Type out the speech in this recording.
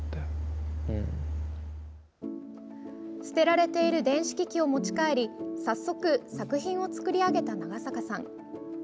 捨てられている電子機器を持ち帰り早速、作品を作り上げた長坂さん。